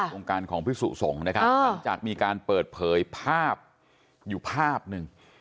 วงการของพิสุสงฆ์นะครับหลังจากมีการเปิดเผยภาพอยู่ภาพหนึ่ง